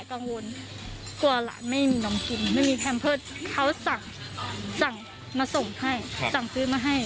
กังวลกลัวหลานไม่มีน้ำกินไม่มีเค้าสั่งสั่งมาส่งให้พอสั่งปืนมาให้